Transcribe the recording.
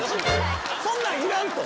そんなんいらん！と。